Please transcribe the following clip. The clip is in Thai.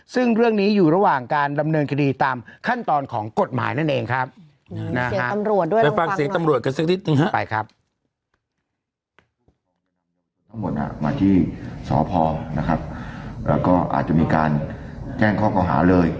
ซึ่งเรื่องนี้อยู่ระหว่างการดำเนินคดีตามขั้นตอนของกฎหมายนั่นเองครับอืมนะฮะเสียงตำรวจด้วย